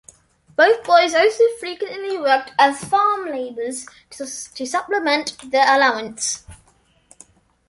Both boys also frequently worked as farm laborers to supplement their allowance.